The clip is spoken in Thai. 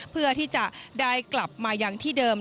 เพื่อที่จะได้กลับมายังที่เดิม